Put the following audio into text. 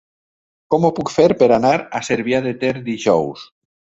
Com ho puc fer per anar a Cervià de Ter dijous?